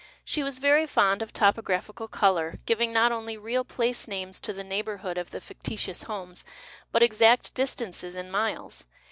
She was very fond of topographical colour, giving not only real place names to the neighbour hood of the fictitious homes, but exact distances in miles.